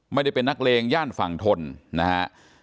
ไม่ได้เป็นนักเลงย่านฝั่งทนนะฮะ